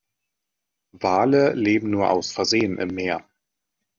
Wale leben nur aus Versehen im Meer.